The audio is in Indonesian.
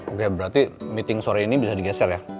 oke berarti meeting sore ini bisa digeser ya